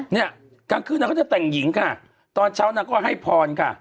เนี่ยกลางคืนนางก็จะแต่งหญิงค่ะตอนเช้านางก็ให้พรค่ะ